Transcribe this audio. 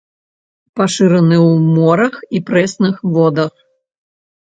Пашыраны ў морах і прэсных водах.